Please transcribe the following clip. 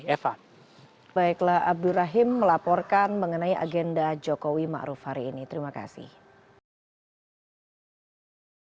di mana selain itu juga beberapa waktu belakangan ada kunjungan dari pihak pihak kaum milenial yang datang ke rumahnya di jalan situbondo ini